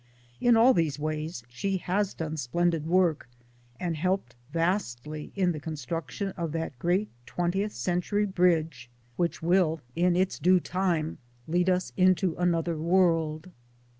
In all these ways she has done splendid work, and helped vastly in the construc tion of that great twentieth century bridge which 222 MY DAYS AND DREAMS will in its due time lead us into another world.